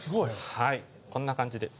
はいこんな感じで。